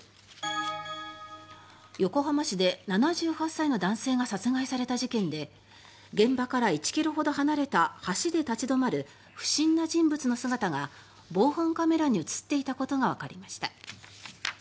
横浜市で７８歳の男性が殺害された事件で現場から１ｋｍほど離れた橋で立ち止まる不審な人物の姿が防犯カメラに映っていたことがわかりました。